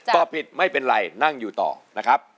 ตอบผิดไม่เป็นไรนั่งอยู่ต่อนะครับ